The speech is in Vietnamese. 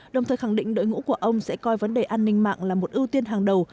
đồng thời khẳng định đội ngũ của ông sẽ coi vấn đề an ninh mạng là một ưu tiên hàng đầu